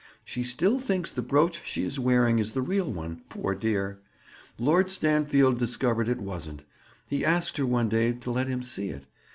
She still thinks the brooch she is wearing is the real one, poor dear! Lord Stanfield discovered it wasn't. He asked her one day to let him see it.